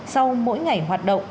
sau mỗi ngày hoạt động